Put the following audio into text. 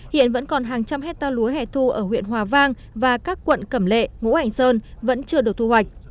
hiện vẫn còn hàng trăm hecta lúa hẻ thu ở huyện hòa vang và các quận cẩm lệ ngũ hành sơn vẫn chưa được thu hoạch